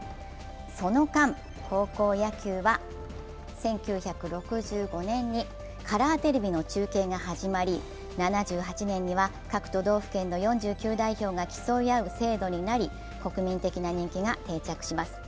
その間、高校野球は１９６５年にカラーテレビの中継が始まり、７８年には各都道府県の４９代表が競い合う制度になりす国民的な人気が定着します。